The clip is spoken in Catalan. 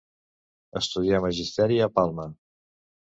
Estudià magisteri a Palma.